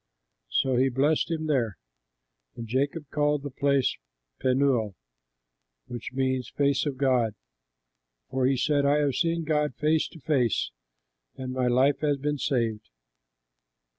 So he blessed him there. And Jacob called the place Penuel, which means Face of God, for he said, "I have seen God face to face, and my life has been saved."